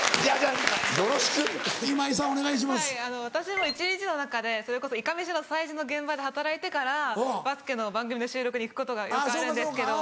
はい私も一日の中でそれこそいかめしの催事の現場で働いてからバスケの番組の収録に行くことがよくあるんですけど。